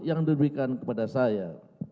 yang diberikan kepada saya